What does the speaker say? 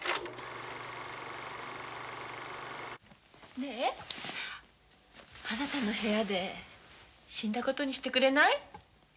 ねえあなたの部屋で死んだ事にしてくれない？